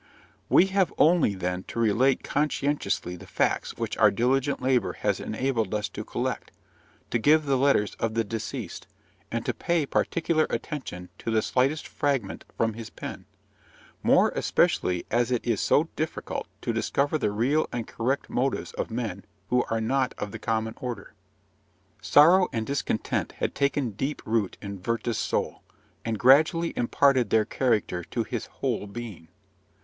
We have only, then, to relate conscientiously the facts which our diligent labour has enabled us to collect, to give the letters of the deceased, and to pay particular attention to the slightest fragment from his pen, more especially as it is so difficult to discover the real and correct motives of men who are not of the common order. Sorrow and discontent had taken deep root in Werther's soul, and gradually imparted their character to his whole being.